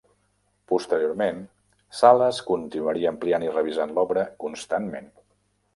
Posteriorment, Sales continuaria ampliant i revisant l'obra constantment.